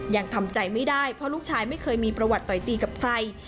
ยังทำใจไม่ได้เพราะลูกชายไม่เคยมีประวัติต่อยตีกับใคร